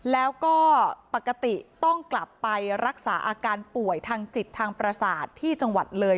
แล้วก็ปกติต้องกลับไปรักษาอาการป่วยทางจิตทางประสาทที่จังหวัดเลย